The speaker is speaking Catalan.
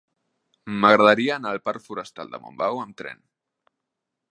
M'agradaria anar al parc Forestal de Montbau amb tren.